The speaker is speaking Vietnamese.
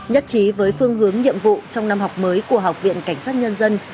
nhất trí với phương hướng nhiệm vụ trong năm học mới của học viện cảnh sát nhân dân